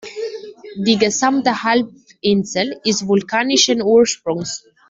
Die gesamte Halbinsel ist vulkanischen Ursprungs.